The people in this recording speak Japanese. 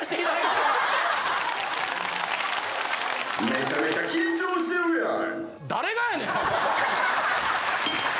めちゃめちゃ緊張してるやん！